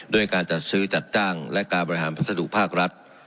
ด้วยการจัดซื้อจัดจ้างและการบริหารพัสดุภาครัฐ